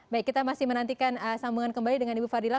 baik kita masih menantikan sambungan kembali dengan ibu fadila